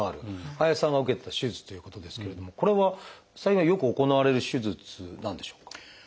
林さんが受けてた手術ということですけれどもこれは最近はよく行われる手術なんでしょうか？